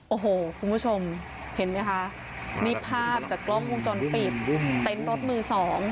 โอ้โหคุณผู้ชมเห็นไหมคะนี่ภาพจากกล้องวงจรปิดเต็นต์รถมือสอง